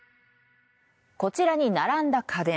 こちらに並んだ家電。